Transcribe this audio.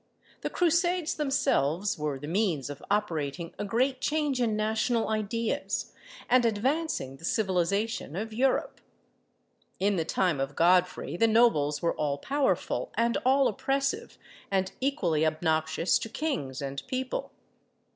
The Crusades themselves were the means of operating a great change in national ideas, and advancing the civilisation of Europe. In the time of Godfrey, the nobles were all powerful and all oppressive, and equally obnoxious to kings and people.